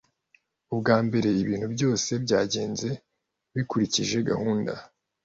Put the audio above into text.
Ubwa mbere, ibintu byose byagenze bikurikije gahunda.